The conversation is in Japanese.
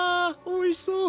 おいしそう。